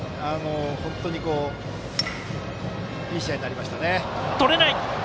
本当にいい試合になりました。